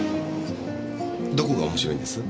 どこが面白いんです？